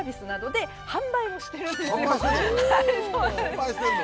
販売してるの？